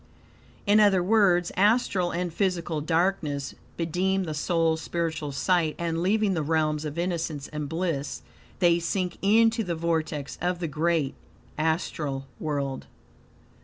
In other words, astral and physical darkness bedim the soul's spiritual sight, and, leaving the realms of innocence and bliss, they sink into the vortex of the great astral world.